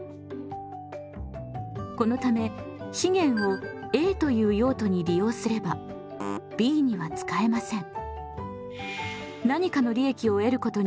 このため資源をＡという用途に利用すればＢには使えません。